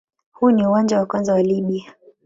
Huu ni uwanja wa kwanza wa Libya.